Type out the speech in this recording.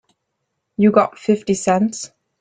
You got fifty cents?